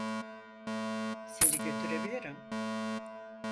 Seni götürebilirim.